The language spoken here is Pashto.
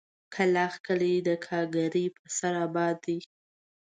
کلاخ کلي د گاگرې په سر اباد دی.